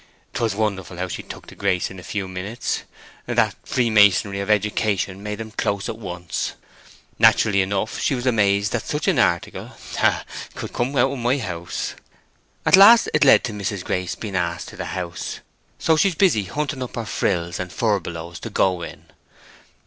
'Twas wonderful how she took to Grace in a few minutes; that freemasonry of education made 'em close at once. Naturally enough she was amazed that such an article—ha, ha!—could come out of my house. At last it led on to Mis'ess Grace being asked to the House. So she's busy hunting up her frills and furbelows to go in."